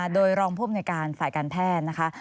โดยรองภูมิในการฝ่ายการแพทย์นะคะ